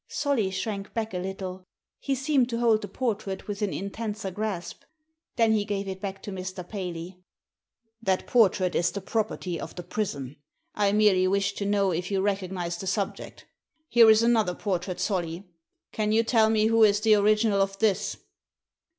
Solly shrank back a little. He seemed to hold the portrait with an intenser grasp. Then he gave it back to Mr. Paley. " That portrait is the property of the prison. I merely wished to know if you recognised the subject Here is another portrait, Solly. Can you tell me who is the original of this?"